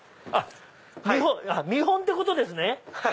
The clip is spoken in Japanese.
見本ってことですね！